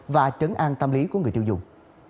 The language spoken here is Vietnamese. và trấn an tâm lý của người tiêu dùng